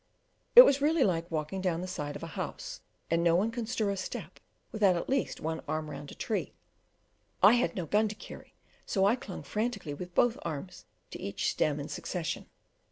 It really was like walking down the side of a house, and no one could stir a step without at least one arm round a tree. I had no gun to carry, so I clung frantically with both arms to each stem in succession.